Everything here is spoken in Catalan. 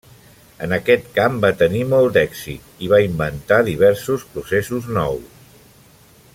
En aquest camp va tenir molt d'èxit, i va inventar diversos processos nous.